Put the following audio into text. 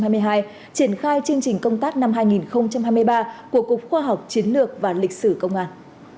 triển khai chương trình công tác năm hai nghìn hai mươi ba của cục khoa học chiến lược và lịch sử công an